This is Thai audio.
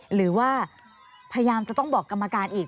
หรือว่าพยายามจะต้องบอกกรรมการอีก